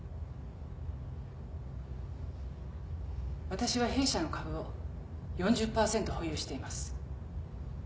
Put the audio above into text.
私は弊社の株を４０％保有しています。